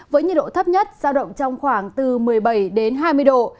với nhiệt độ thấp nhất giao động trong khoảng từ một mươi bảy đến hai mươi độ